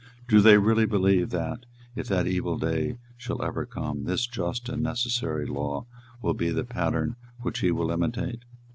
Do they really believe that, if that evil day shall ever come, this just and necessary law will be the pattern which he will imitate?